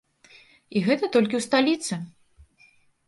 І гэта толькі ў сталіцы!